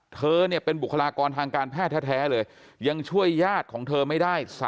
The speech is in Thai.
เธอเป็นบุคลากรทางการแพทย์แท้เลยยังช่วยญาติของเธอไม่ได้